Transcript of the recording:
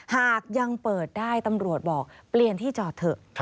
หากยังเปิดได้ตำรวจบอกเปลี่ยนที่จอดเถอะ